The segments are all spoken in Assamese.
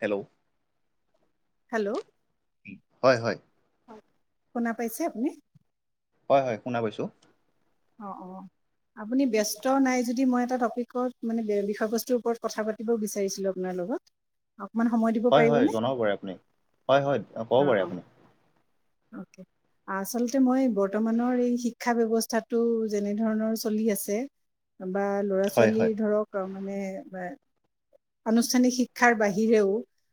হেল্ল' হেল্ল' হয়। হয়। শুনা পাইছে আপুনি? হয়। হয়। শুনা পাইছো। অ অ আপুনি ব্যস্ত নাই যদি মই এটা টপিকত মানে বিষয়বস্তুৰ ওপৰত কথা পাতিব বিচাৰিছিলো আপোনাৰ হেল্ল' অকণমান সময় দিব হয় হয় পাৰিবনে? জনাব পাৰে আপুনি হয় হয় ক'ব অঁ পাৰে অঁ আপুনি অ আচলতে মই বৰ্তমানৰ এই শিক্ষা ব্যবস্থাৰ টো যেনে ধৰণৰ চলি আছে বা ল'ৰা হয় ছোৱালী হয় ধৰক মানে আনুষ্ঠানিক শিক্ষাৰ বাহিৰেও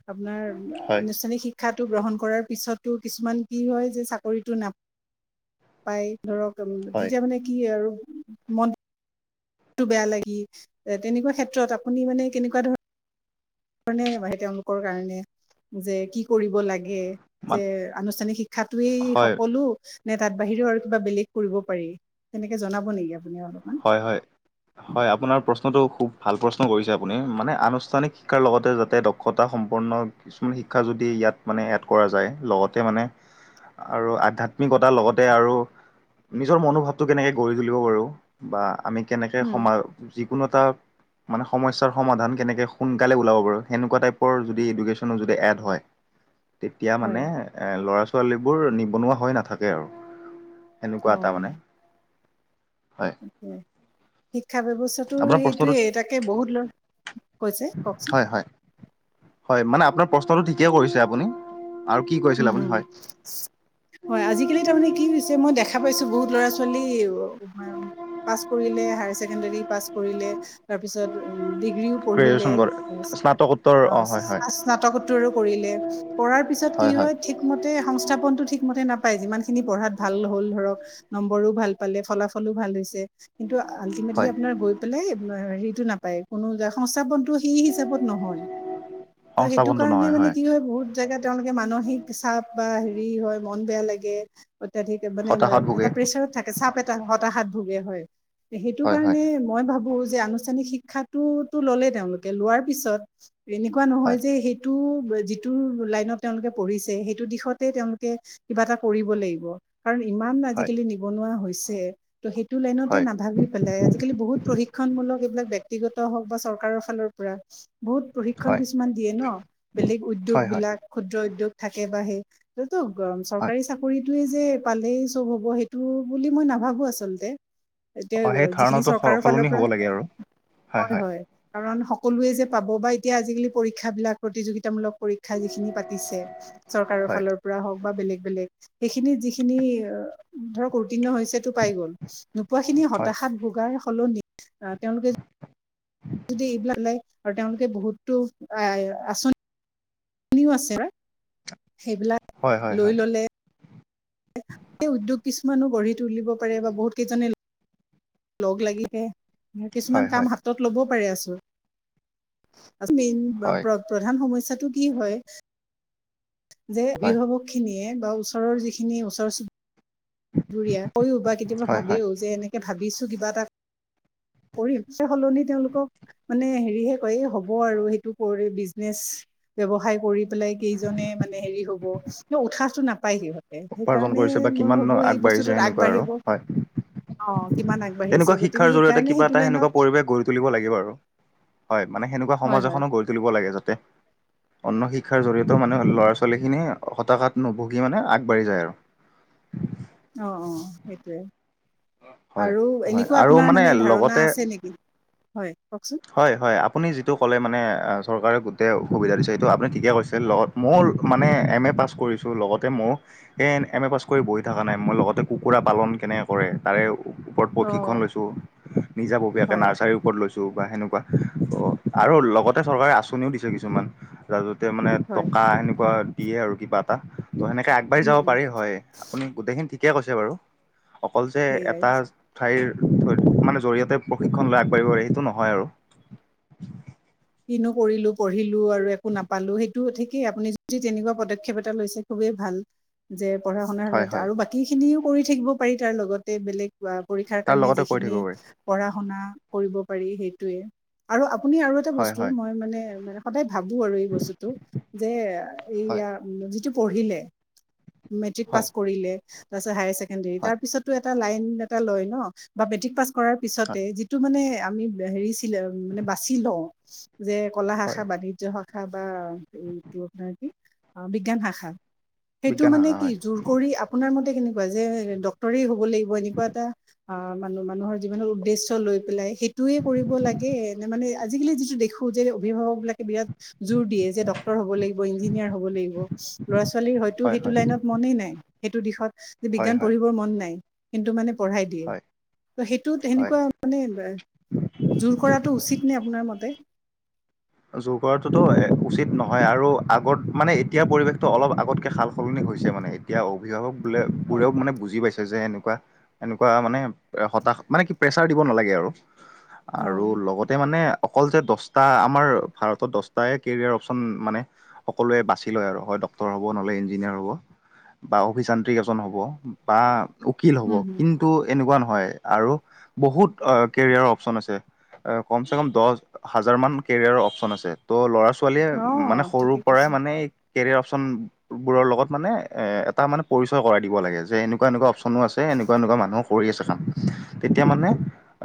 আপোনাৰ হয় আনুষ্ঠানিক শিক্ষাত টো গ্ৰহণ কৰাৰ পিছতো কিছুমান কি হয় যে চাকৰিত নাপায় ধৰক হয় তেতিয়া মানে কি আৰু মন বেয়া লাগি। তেনেকুৱা ক্ষেত্ৰত আপুনি মানে কেনেকুৱা ধৰণৰ [unintelligible] কাৰণে যে কি কৰিব লাগে মান যে আনুষ্ঠানিক শিক্ষাতয়েই হয় সকলো নে তাত বাহিৰেও আৰু কিবা বেলেগ কৰিব পাৰি সেনেকে জনাব নেকি আ হয়। হয়। হয়। আপোনাৰ প্ৰশ্নটো খুব ভাল প্ৰশ্ন কৰিছে আপুনি মানে আনুষ্ঠানিক শিক্ষাৰ লগতে যাতে দক্ষতা সম্পন্ন কিছুমান শিক্ষা যদি ইয়াত মানে এড কৰা যায়। লগতে মানে আৰু আধাত্মিকতাৰ লগতে আৰু নিজৰ মনোভাৱটো কেনেকে গঢ়ি তুলিব পাৰো বা আমি কেনেকে উম, সমাজ যিকোনো এটা মানে সমস্যাৰ সমাধান কেনেকে সোনকালে ওলাবাৰু সেনেকুৱা টাইপৰ যদি এডুকেশ্যন যদি এড হয়। [unintelligible] তেতিয়া হয় মানে ল'ৰা ছোৱালীবোৰ নিবনুৱা হৈ নাথাকে আৰু। অ সেনেকুৱা এটা মানে। হয় [unintelligible] শিক্ষা ব্যৱস্থাতটো আপোনাৰ প্ৰশ্নটো সেইটোৱে তাকে বহুত ল কৈছে কওকচোন হয় হয় হয়। মানে আপোনাৰ প্ৰশ্নটো ঠিকে কৰিছে আপুনি। আৰু কি কৈছিল হম আপুনি হম হম হয় হয় আজিকালি তাৰমানানে কি হৈছে মই দেখা পাইছো বহুত ল'ৰা ছোৱালী পাছ কৰিলে হায়াৰ ছেকেণ্ডৰী পাছ কৰি কৰিলে তাৰপিছত উ ডিগ্ৰীও পঢ়িলে। গ্ৰেজুৱেশ্যন কৰে স্নাতকোত্তৰ অ হয় হয় স্নাতকোত্তৰো কৰিলে। কৰাৰ কি হয় ঠিকমতে সংস্থাপনটো ঠিকমতে নাপ যিমান খিনি পঢ়াত ভাল হ'ল ধৰক। নম্বৰো ভাল পালে ফলাফলো ভাল হৈছে। কিন্তু আল্টিমেটলি হয় আপোনাৰ গৈ পেলাই হেৰিতটো নাপায়। কোনো য সংস্থাপনতটো সেই হিচাপত নহয়। ত সেইটো সংস্থাপনটো কাৰণে নহয় মানে কি হয় বহুত জেগা তেওঁলোকে মানসিক চাপ বা হেৰি হয়। মন বেয়া লাগে। অত্যাধিক মানে হতাশাত ভোগে এটা প্ৰেচাৰত থাকে চাপ এটা হতাশাত ভোগে হয়। সেইটো হয় হয় কাৰণে মই ভাবো যে আনুষ্ঠানিক শিক্ষাতো ললে তেওঁলোকে লোৱাৰ পিছত এনেকুৱা নহয় হয় যে সেইটো যিটো লাইনত তেওঁলোকে পঢ়িছে, সেইটো দিশতে তেওঁলোকে কিবা এটা কৰিব লাগিব। কাৰণ ইমান হয় আজিকালি নিবনুৱা হৈছে। ত' সেইটো লাইনতে হয় নাভাবি পেলাই আজিকালি বহুত প্ৰশিক্ষ শিক্ষণমূলক এইবিলাক ব্যক্তিগত হওক বা চৰকাৰৰ ফালৰ পৰা বহুত প্ৰশিক্ষণ হয় কিছুমান দিয়ে ন, বেলেগ উদ্যয়োগ হয় হয় বিলাক ক্ষুদ্ৰ উদ্যয়োগ থাকে বা সেই ত গম হয় চৰকাৰী চাকৰিত সেইটো যে পালেই চব হ'ব। সেইটো বুলি মই নাভাবো আচলতে। এতিয়া অ সেই যিখিনি ধাৰণাটো চৰকাৰৰ ফালৰ সলনি হ'ব পৰা। লাগে আৰু হয়। হয়। কাৰণ সকলোৱে যে পাব বা এতিয়া আজিকালি পৰীক্ষ বিলাক প্ৰতিযোগিতামূলক পৰীক্ষা যিখিনি পাতি চৰকাৰৰ হয় ফালৰ পৰা হওক বা বেলেগ বেলেগ সেইখিনি যিখিনি ধৰক উত্তীৰ্ণ হৈছেতো পাই গল, নোপোৱা খিনি হয় হতাশাত ভোগাই সলনি আহ তেওঁলোকে যদি এইবিলাক ওলাই আৰু তেওঁলোকে বহুতো আঁচনি ও আছে সেইবিলাক হয় হয় লৈ হয় ললে উদ্যোগ কিছুমানো গঢ়ি তুলিব পাৰে বা বহুত কেইজনে লগ লাগিছে কিছুমান হয় হয় কাম হয় হাতত লব পাৰে আছো মেইন প্ৰধান সমস্যটো কি হয় যে হয় অভাৱকখিনিয়ে বা ওচৰৰ যিখিনি ওচৰ ৰিয়া কও বা কেতিয়াবা হয় হয় ভাবিও যে এনেকে ভাবিছো কিবা এটা কৰি সলনি তেওঁলোকক মানে হেৰিহে কয় এই হ'ব আৰু সেইটো কৰি বিজনেচ ব্যৱসায় কৰি পেলাই কেইজনে মানে হেৰি হব উৎসাহটো নাপাই সিহঁতে সেইকাৰণে মই ভ অ আগ বাঢ়ি যায়। এনেকুৱা আৰু অ কিমান আগবাঢ়িছে তেনেকুৱা গতিকে শিক্ষাৰ জৰিয়তে সেইকাৰণে কিবা সেইটো এটা লাইনত সেনেকুৱা পৰিৱেশ গঢ়ি তুলিব লাগিব আৰু। হয় মানে সেনেকুৱা হয় সমাজ হয় এখনো গঢ়ি তুলিব লাগে। যাতে অন্য শিক্ষাৰ জৰিয়তেও মানে ল'ৰা ছোৱালীখিনি হতাশাত নুভুগি মানে আগবাঢ়ি যায় আৰু। অ অ সেইটোৱে। হয়। আৰু হয় এনেকুৱা আৰু আপোনাৰ মানে ধাৰণা লগতে আছে নেকি? হয় কওকচোন হয়। হয়। আপুনি যিটো ক'লে মানে চৰকাৰে সুবিধা দিছে। এইটো আপুনি ঠিকে কৈছে লগত মোৰ মানে এম এ পাছ কৰিছো লগতে মোৰ এ এম এ পাছ কৰি বহি থকা নাই মই লগতে কুকুৰা পালন কেনেক কৰে তাৰে ওপৰত অ প্ৰশিক্ষণ লৈছোঁ নিজাববীয়াকে হয় নাৰ্চৰী ওপৰত লৈছোঁ। বা সেনেকুৱা অ আৰু লগতে চৰকাৰে আঁচনিও দিছে কিছুমান মানে হয় টকা এনেকুৱা দিয়ে আৰু কিবা এটা ত' সেনেকে আগবাঢ়ি উম যাব উম পাৰি হয়। আপুনি গোটেইখিনি ঠিকে কৈছে বাৰু অ যে সেইয়াই এটা ঠাইৰ মানে জৰিয়তে প্ৰশিক্ষণ লৈ আগবাঢ়িব পাৰি সেইটো নহয় আৰু কিনো কৰিলো পঢ়িলো আৰু একো নাপালো স ঠিকেই আপুনি যদি তেনেকুৱা পদক্ষেপ এটা লৈছে খুবেই ভাল। যে পঢ়া শুনা শ হয় হয় আৰু বাকী খিনিও কৰি থাকিব পাৰি তাৰ লগতে বেলেগ পৰীক্ষাৰ তাৰ কাৰণে লগতে কৈ যিখিনি থাকিব পাৰি পঢ়া শুনা কৰিব পাৰি সেইটোৱে আৰু আপুনি আৰু এটা হয় বস্তু হয় মই মানে মে সদায় ভাবো আৰু এই বস্তুটো যে হয় এইয়া যিটো পঢ়িলে মেট্ৰিক পাছ হয় কৰিলে। তাৰপিছত হায়াৰ ছেকেণ্ডেৰী হয় তাৰপিছতো লাইন এটা লয় ন বা মেষ্টিক পাছ কৰাৰ পিছতে হয় যিটো মানে আমি হেৰিছিলে মানে বাচি লওঁ যে কলা শাখা, হয় বাণিজ্য় শাখা শাখা বা এইটো আপোনাৰ কি বিজ্ঞান শাখা সেইটো বিজ্ঞান মানে শাখা কি হয় জোৰ কৰি আপোনাৰ মতে কেনে যে ডক্তৰে হ'ব লাগিব এনেকুৱা এটা অ মান মানুহৰ যিমান উদেশ্য লৈ পেলাই সেই টোয়ে কৰিব লাগে মানে আজিকালি যিটো দেখোঁ যে, অভিভাৱকবিলাকে বিৰাট জোৰ দিয়ে যে, ডক্তৰ হ'ব লাগিব, ইঞ্জিনিয়াৰ হ'ব লাগিব, ল'ৰা ছোৱালীৰ হয়তো হয় সেইটো হয় লাইনত মনেই নাই। সেইটো দিশত যে, হয় বিজ্ঞান হয় পঢ়িবৰ মন নাই, কিন্তু মানে পঢ়াই দিয়ে। হয় সেইটো হয় সেনেকুৱা মানে জোৰ কৰাটো উচিত নে আপোনাৰ মতে? জোৰ কৰাটোতো উচিত নহয়, আৰু আগত মানে এতিয়া পৰিৱেশটো অলপ আগতকে সাল সলনি হৈছে মানে, এতিয়া অভিভাৱক হয়। বোলে-বোৰেও মানে বুজি পাইছে যে, এনেকুৱা, এনেকুৱা মানে হতাশ মানে কি প্ৰেচাৰ দিব নালাগে আৰু। অ আৰু লগতে মানে অকল যে, দছটা আমাৰ ভাৰতত দচটাই কেৰিয়াৰ অপচন মানে সকলোৱে বাছি লয় আৰু হয়, ডক্টৰ হ'ব, নহ'লে ইঞ্জিনিয়াৰ হ'ব। বা অভিযান্ত্ৰিক এজন হ'ব, বা উকিল হ'ব উম হুম কিন্তু এনেকুৱা ন হয়, আৰু বহুত অ', কেৰিয়াৰৰ অপচন আছে। এ, কমচেকম দচ হাজাৰ মান কেৰিয়াৰৰ অ' অপচন আছে, ত' ল'ৰা ছোৱালীয়ে অ মানে সৰুৰ ঠিকে পৰাই কৈছে মানে কেৰিয়াৰ অপশচন বোৰৰ লগত মানে এ এটা মানে পৰিচয় কৰাই দিব লাগে যে এনেকুৱা এনেকুৱা অপশচন আছে, এনেকুৱা এনেকুৱা মানুহ কৰি আছে কাম। তেতিয়া মানে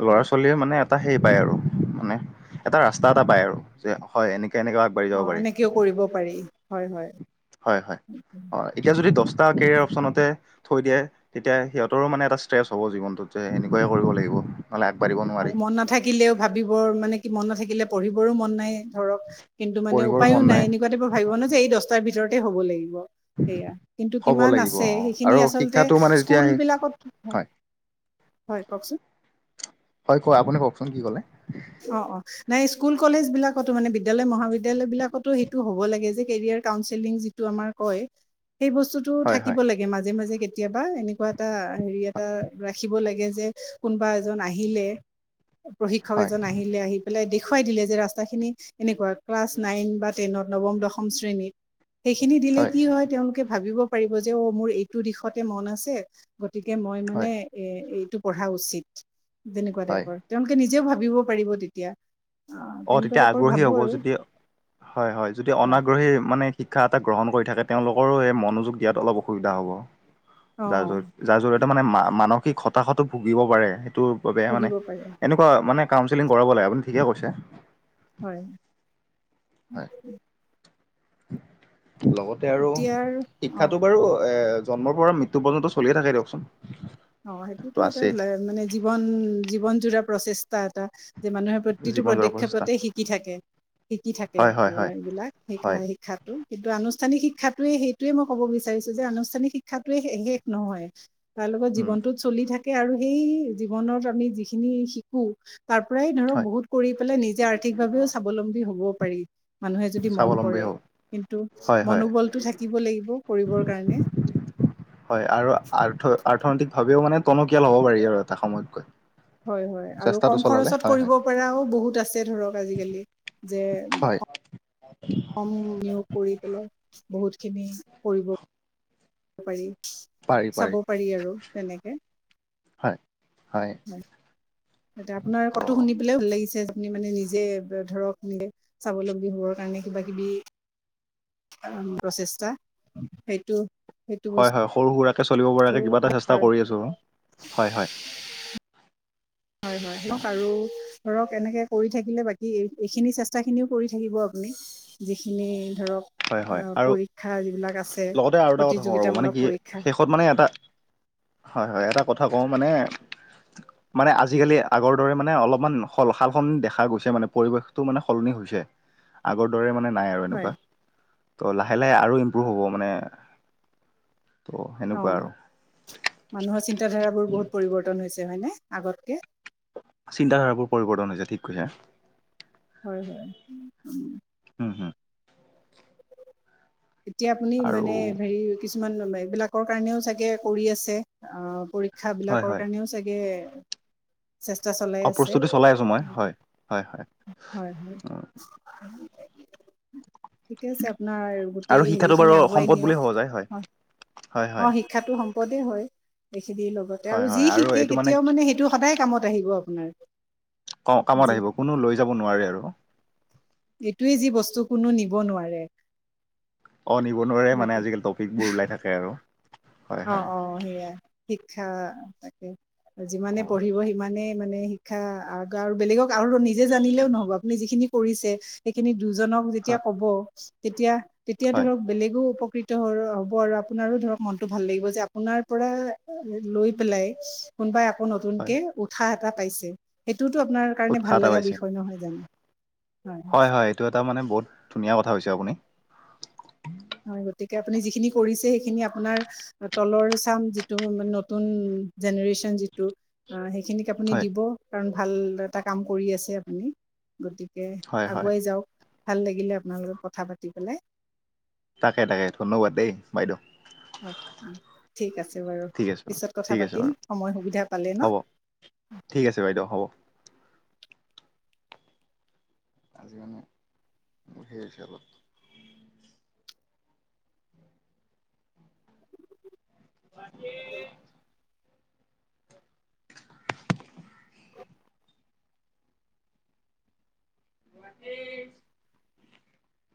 ল'ৰা হয় ছোৱালীয়ে মানে এটা সেই পায় আৰু মানে এটা ৰাস্তা এটা পায় আৰু যে হয় এনে অ' এনেকেও কৰিব পাৰি হয়, হয়। হয়, হয়। অ' এতিয়া যদি দহটা কেৰিয়াৰ অপচনতে থৈ দিয়ে তেতিয়া সিহঁতৰো মানে এটা ষ্ট্ৰেছ হ'ব জীৱনটোত যে এনেকুৱাইে কৰিব লাগিব। নহ'লে আগবাঢ়িব নোৱাৰি আৰু মন নাথাকিলেও ভাবিবৰ মানে কি মন নাথাকিলে পঢ়িবৰো মন নাই ধৰক কিন্তু মানে পঢ়িবৰ উপায়ো মন নাই এনেকুৱা তাইপৰ ভাবিব নে যে এই দহটাৰ ভিতৰতে হ'ব লাগিব। সেয়া কিন্তু হ'ব কিমান লাগিব আছে, অ আৰু সেইখিনি আচলতে শিক্ষাটো মানে তেতিয়া স্কুল সেই বিলাকত হয় হয়, কওঁকচোন। হয় কোৱা। আপুনি কওঁকচোন কি ক'লে অ' অ' নাই স্কুল কলেজ বিলাকতো মানে বিদালয় মহাবিদ্যালয় বিলাকতো সেইটো হ'ব লাগে যে কে কাওণছেলিং যিতু আমাৰ কয়, সেই বস্তুটোৰ হয় থাকিব হয় লাগে মাজে মাজে কেতি কেতিয়াবা এনেকুৱা এটা হেৰি এটা ৰাখিব লাগে যে কোনোবা এজন আহিলে। প্ৰশিক্ষক হয় এজন আহিলে আহি পেলাই দিশ দেখুৱাই দিলে যে ৰাস্তাখিনি এনেকুৱা ক্লাছ নাইন বা টেইনত নৱম, দশম শ্ৰেণীত। সেইখিনি দিলে কি হয় তেওঁলোকে ভাবিব পাৰিব যে অ' মোৰ এইটো দিশতে মন আছে। গতিকে মই মানে হয় এ এইটো পঢ়া উচিত তেনেকুৱা হয় টাইপৰ তেওঁলোকে নি নিজেও ভাবিও পাৰিব তেতিয়া। অ' তেনেকুৱা তেতিয়া টাইপৰ আগ্ৰহী ভাবো হ'ব আৰু যদি হয়, হয়। যদি অনাগ্ৰহী মানে শিক্ষা শিক্ষা এটা গ্ৰহণ কৰি থাকে। তেওঁলোকৰো মনোযোগ দিয়াত অলপ অসুবিধা হ'ব। অ যাৰ জত যাৰ জৰিয়তে মানে মানসিক হতাশতো ভুগিব পাৰে। টোৰ বৰ বেয়া মানে ভুগিব পাৰে এনেকুৱা মানে কাউনচেলিং কৰাব লাগে আপুনি ঠিকে কৈছে। হয়। হয় লগতে আৰু এতিয়াৰ অ শিক্ষাটো বাৰু এ, জন্মৰ পৰা মৃত্য পৰ্যন্ত চলিয়ে থাকে দিয়কচোন। অ টো সেইটোতো এটা আছে মানে জীৱন জীৱন জোৰা প্ৰচেষ্ট। টা এটা যে মানুহে প্ৰতিটো জীৱন জোৰা প্ৰচেষ্টা পদক্ষেপতে শিকি থাকে। শিকি থাকে হয় হয় আৰু হয় এইবিলাক হয় শিক্ষা কিন্তু আনুষ্ঠানিক শিক্ষা। শিক্ষাটোয়ে সেইটোয়ে মই ক'ব বিচাৰিছো যে আনুষ্ঠানিক শিক্ষটোয়ে শেষ নহয়। তাৰ লগত, উম জীৱনটোত চলি থাকে, আৰু সেই জীৱনত আমি যিখিনি শিকো। তাৰ পৰাই ধৰক হয় বহুত কৰি পেলাই, নিজে আৰ্থিকভাৱেও স্বাৱলম্বী হবও পাৰি মানুহে যদি মন স্বাৱলম্বী কৰে। হ'ব কিন্তু হয় হয় মনোবলটো থাকিব লাগিব কৰিবৰ কাৰণে। হয় আৰু আৰ্থ অৰ্থনৈতিক ভাৱেও মানে টনকিয়াল হ'ব পাৰি আৰু এটা সময়ত গৈ। হয় হয় আৰু কম খৰচত কৰিব পৰাও বহুত আছে ধৰক আজিকালি, যে হয় কম নিয়োগ কৰি পেলাই বহুত, খিনি কৰিব পাৰি। চাব পাৰি আৰু তেনেকে হয়। হয়। এতিয়া আপোনাৰ ত' ক টো শুনি পেলাই ভাল লাগিছে আপুনি মানে নিজে ধৰক যে স্বাৱলম্বী হবৰ কাৰণে কিবাকিবি প্ৰচেষ্টা সেইটো সেইটো হয়। হয়। সৰু সুৰা চলিব পৰাকে কিবা এটা বস্তু চেষ্টা কৰি আছোঁ। হয় হয়। হয়। অ হয়। ধৰক এনেকে কৰি থাকিলে বাকী এই এইখিনি চেষ্টাখিনিও কৰি থাকিব আপুনি। যিখিনি ধৰক হয়। হয় আহ আৰু পৰীক্ষা যিবিলাক আছে লগতে আৰু এটা কথা কওঁ ৰ'ব মানে প্ৰতিযোগিতামূলক কি পৰীক্ষা শেষত মানে এটা হয়। হয়। এটা কথা কওঁ মানে মানে আজিকালি আগৰ দৰে মানে অলপমান স সাল সালসলনি দেখা গৈছে মানে পৰিৱেশতটো মানে সলনি হৈছে। আগৰ দৰে মানে নাই আৰু হয় এনেকুৱা। ত' লাহে লাহে আৰু ইমপ্ৰুভ হ'ব মানে ত' অ সেনেকুৱা আৰু। মানুহৰ চিন্তা ধাৰাবোৰ বহুত পৰিৱৰ্তন হৈছে। হয়নে? আগতকে চিন্তা ধাৰাবোৰ পৰিৱৰ্তন হৈছে ঠিক কৈছে। হয়। হয়। হম হম এতিয়া আপুনি আৰু মানে হেৰি কিছুমান এইবিলাকৰ কাৰণেও চাগে কৰি আছে। অ পৰী শিক্ষা হয় বিলাকৰ হয়। কাৰণেও চাগে চেষ্টা অ চলাই আছে। প্ৰস্তুতি চলাই আছো মই হয়। হয় হয় হয়। উম। হয়। ঠিকে আছে আপোনাৰ আৰু গোটেই শিক্ষাটো হেৰিখিনি বাৰু আগুৱাই সম্পদ নিয়ক বুলিয়ে সহজায় হয়‌। হয় অ শিক্ষাটো সম্পদে হয়। এইখিনিৰ লগতে হয় আৰু হয় যি শিকে এইটো কেতিয়াও মানে সেইটো সদায় কামত আহিব আপোনাৰ। ক কামত যি আহিব। কোনো লৈ যাব নোৱাৰে আৰু এইটোৱে যি বস্তু কোনো নিব নোৱাৰে। অ নিব নোৱাৰে বাকী মানে আজিকালি টপিক বোৰ ওলাই থাকে আৰু। হয় অ হয় অ সেইয়া শিক্ষা তাকে যিমানে অ পঢ়িব সিমানে মানে শিক্ষা আৰু বেলেগক আৰু নিজে জানিলেও নহব। আপুনি যিখিনি কৰিছে সেইখিনি দুজনক যেতিয়া হয় কব, তেতিয়া তেতিয়া হয় ধৰক বেলেগো উপতৃত হ'ব আৰু আপোনাৰো ধৰক মন ত ভাল লাগিবজে যে আপোনাৰ পৰা লৈ পেলাই কোনোবাই আকৌ হয় নতুনকে উৎসাহ এটা পাইছে। সেইটোওতো আপোনাৰ কাৰণে উৎসাহ ভাল এটা লাগা পাইছে। বিষয় নহয় জানো? হয়। হয়। এইটো এটা মানে বহুত ধুনীয়া কথা হৈছে আপুনি। হয়। গতিকে আপুনি যিখিনি কৰিছে সেইখিনি আপোনাৰ তলৰ চাম যিটো নতুন জেনেৰেশ্বন যিটো সেইখিনিক আপুনি হয় দিব। কাৰণ ভাল এটা কাম কৰি আছে আপুনি। গতিকে হয় হয় আগুৱাই যাওক ভাল লাগিলে আপোনাৰ লগত কথা পাতি পেলাই। তাকে তাকে ধন্যবাদ দেই, বাইদেউ। [inaudible] ঠিক আছে বাৰু ঠিক আছে বাৰু পিছত কথা ঠিক আছে পাতিম। বাৰু সময় সুবিধা পালে ন। হ'ব ঠিক আছে বাইদেউ হ'ব। আজি মানে অলপ [unintelligible] [inaudible]